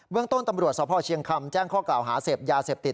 เรื่องต้นตำรวจสพเชียงคำแจ้งข้อกล่าวหาเสพยาเสพติด